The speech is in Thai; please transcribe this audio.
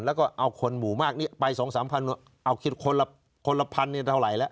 แล้วก็เอาคนหมู่มากไป๒๓พันเอาคิดคนละพันเนี่ยเท่าไหร่ละ